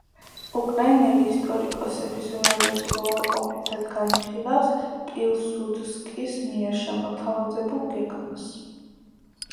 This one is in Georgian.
უკრაინელი ისტორიკოსების უმრავლესობა უარყოფითად განიხილავს, პილსუდსკის მიერ შემოთავაზებულ გეგმას.